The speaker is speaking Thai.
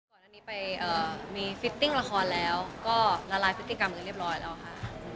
ก่อนอันนี้ไปเอ่อมีราคอนแล้วก็ละลายคือเรียบร้อยแล้วค่ะ